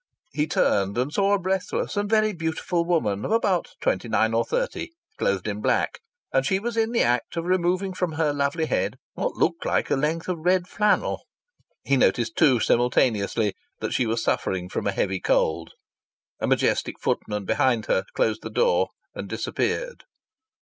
He turned and saw a breathless and very beautiful woman, of about twenty nine or thirty, clothed in black, and she was in the act of removing from her lovely head what looked like a length of red flannel. He noticed, too, simultaneously, that she was suffering from a heavy cold. A majestic footman behind her closed the door and disappeared.